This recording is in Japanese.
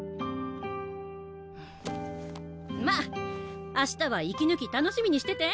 まあ明日は息抜き楽しみにしてて！